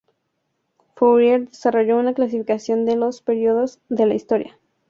Fourier desarrolló una clasificación de los períodos de la historia.